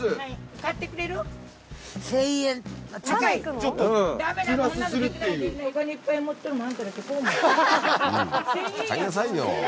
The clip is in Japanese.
買いなさいよ。